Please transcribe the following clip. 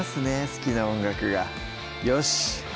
好きな音楽がよしっ